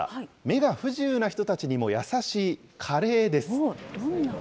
目が不自由な人たちにも優しいカレーです。